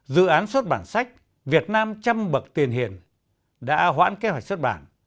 dự án xuất bản sách việt nam trăm bậc tiền hiền đã hoãn kế hoạch xuất bản